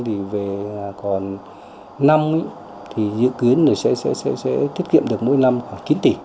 thì về còn năm thì dự kiến là sẽ tiết kiệm được mỗi năm khoảng chín tỷ